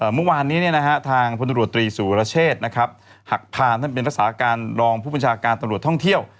เมื่อวานนี้ทางพลตรวจตรีสุรเชษนะครับหักพานท่านเป็นรักษาการรองผู้บัญชาการตำรวจท่องเที่ยว